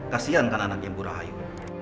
kasian kan anak yang pura hayu